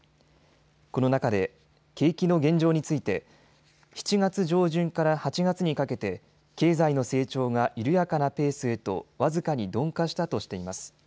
この中で景気の現状について７月上旬から８月にかけて経済の成長が緩やかなペースへと僅かに鈍化したとしています。